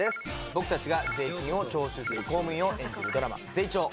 僕たちが税金を徴収する公務員を演じるドラマ『ゼイチョー』。